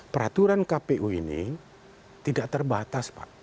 peraturan kpu ini tidak terbatas pak